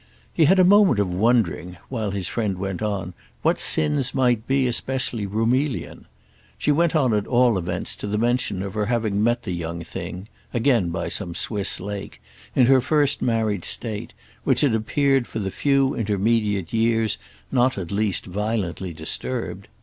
He had a moment of wondering, while his friend went on, what sins might be especially Roumelian. She went on at all events to the mention of her having met the young thing—again by some Swiss lake—in her first married state, which had appeared for the few intermediate years not at least violently disturbed.